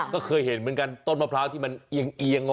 ก็เคยเห็นเหมือนกันต้นมะพร้าวที่มันเอียง